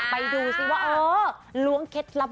ไปอยู่ที่ครัวลุงลงเหรอเชอรี่